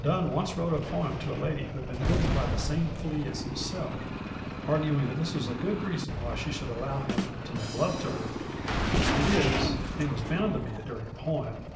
Donne once wrote a poem to a lady who had been bitten by the same flea as himself, arguing that this was a good reason why she should allow him to make love to her. It is, and was bound to be, a dirty poem.